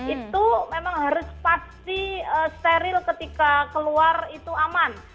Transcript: itu memang harus pasti steril ketika keluar itu aman